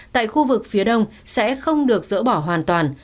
tại khu vực phía đông sẽ không được dỡ bỏ hoàn toàn